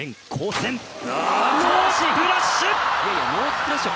スプラッシュ！